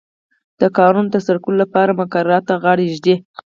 د کارونو د ترسره کولو لپاره مقرراتو ته غاړه ږدي.